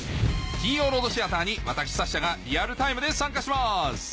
金曜ロードシアターに私サッシャがリアルタイムで参加します